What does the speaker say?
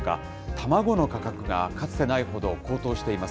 卵の価格がかつてないほど高騰しています。